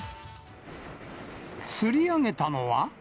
釣り上げたのは。